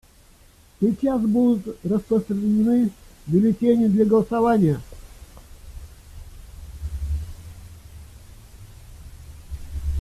Сейчас будут распространены бюллетени для голосования.